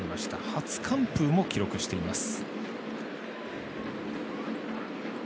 初完封も記録しています。